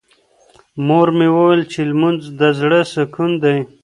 مور مې وویل چې لمونځ د زړه سکون دی.